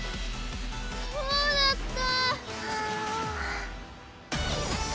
そうだった！